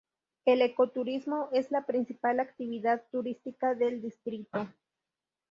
El ecoturismo es la principal actividad turística del distrito.